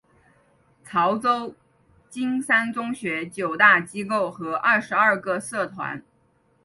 潮州金山中学九大机构和二十二个社团。